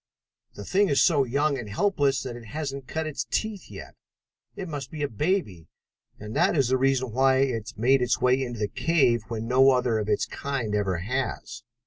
The thing is so young and helpless that it hasn't cut its teeth yet. It must be a baby, and that is the reason why it made its way into the cave when no other of its kind ever has."